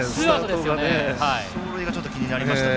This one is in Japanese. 走塁がちょっと気になりましたね。